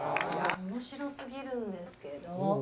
「面白すぎるんですけど」